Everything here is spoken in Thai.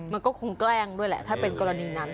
มันก็คงแกล้งด้วยแหละถ้าเป็นกรณีนั้น